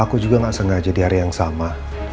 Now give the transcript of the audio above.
aku juga gak sengaja di hari yang sama